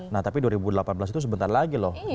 nah tapi dua ribu delapan belas itu sebentar lagi loh